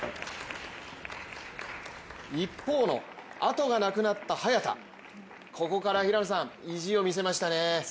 一方のあとがなくなった早田、ここから意地を見せましたね。